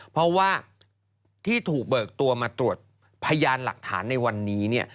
เพราะว่าที่ถูกเบิกตัวมาตรวจพยานหลักฐานในวันนี้เนี่ย